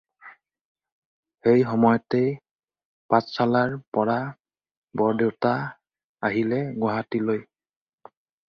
সেই সময়তে পাঠশালাৰ পৰা বৰদেউতা আহিলে গুৱাহাটীলৈ।